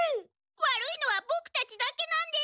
悪いのはボクたちだけなんです！